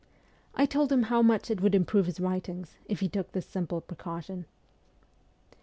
I told him how much it would improve his writings if he took this simple precaution.